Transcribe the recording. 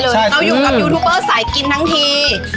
เราอยู่กับยูทูบเบอร์สายกินทั้งที